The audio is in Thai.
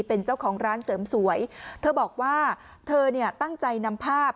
เป็นเจ้าของร้านเสริมสวยเธอบอกว่าเธอเนี่ยตั้งใจนำภาพ